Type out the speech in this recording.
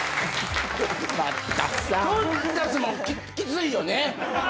トータスもキツいよね？